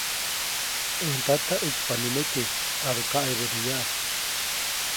ʼÄj ndata, ʼäkpa nikeme, ʼadu kaʼebädeyaʼa.